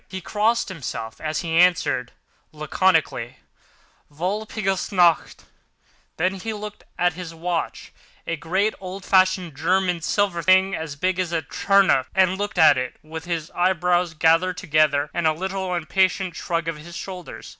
He crossed himself, as he answered laconically: "Walpurgis nacht." Then he took out his watch, a great, old fashioned German silver thing as big as a turnip, and looked at it, with his eyebrows gathered together and a little impatient shrug of his shoulders.